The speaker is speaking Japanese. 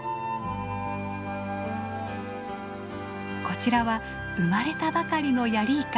こちらは生まれたばかりのヤリイカ。